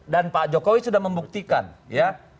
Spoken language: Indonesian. pak jokowi sudah membuktikan ya